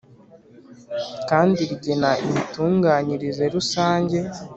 kandi rigena imitunganyirize rusange